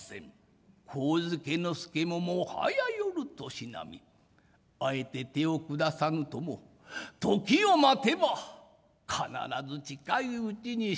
上野介ももはやよる年波あえて手を下さぬとも時を待てば必ず近いうちに死にましょう。